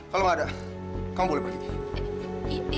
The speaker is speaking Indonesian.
kalau nggak ada kamu boleh beli